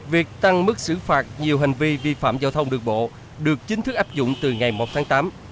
việc tăng mức xử phạt nhiều hành vi vi phạm giao thông đường bộ được chính thức áp dụng từ ngày một tháng tám